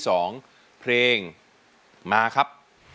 สวัสดีครับ